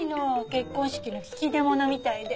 結婚式の引き出物みたいで。